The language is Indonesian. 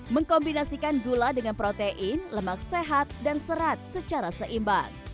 mengkombinasikan gula dengan protein lemak sehat dan serat secara seimbang